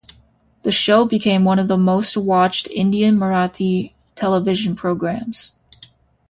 The show became one of the most watched Indian Marathi television programs.